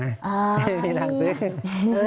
อ๋อไม่มีตังค์ซื้อ